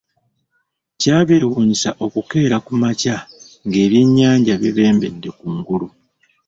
Kyabeewuunyisizza okukeera ku makya ng’ebyennyanja bibembedde ku ngulu.